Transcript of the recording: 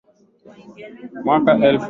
mwaka elfu moja mia tisa sabini na moja